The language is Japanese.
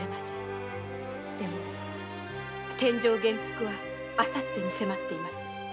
でも殿上元服はあさってに迫っています。